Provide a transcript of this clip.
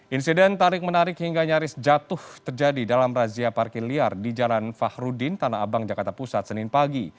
insiden tarik menarik hingga nyaris jatuh terjadi dalam razia parkir liar di jalan fahrudin tanah abang jakarta pusat senin pagi